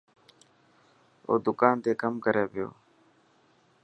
او دڪان تي ڪم ڪري پيو.